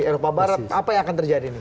eropa barat apa yang akan terjadi nih